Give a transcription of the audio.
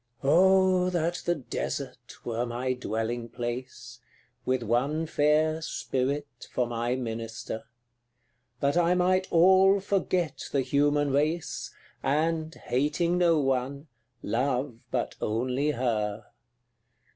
CLXXVII. Oh! that the Desert were my dwelling place, With one fair Spirit for my minister, That I might all forget the human race, And, hating no one, love but only her!